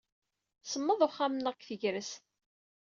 Semmeḍ uxxam-nneɣ deg tegrest.